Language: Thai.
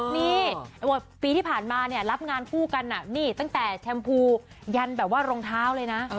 นี่ปีที่ผ่านมารับงานคู่กันตั้งแต่แชมพูยันรองเท้าเลยนะ